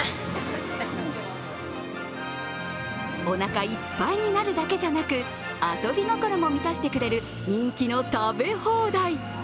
おなかいっぱいになるだけじゃなく、遊び心も満たしてくれる人気の食べ放題。